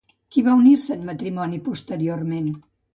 Qui va unir-se en matrimoni posteriorment?